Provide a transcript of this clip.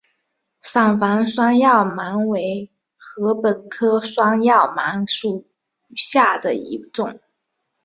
伞房双药芒为禾本科双药芒属下的一个种。